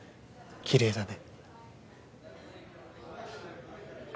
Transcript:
きれいだね。